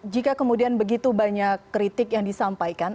jika kemudian begitu banyak kritik yang disampaikan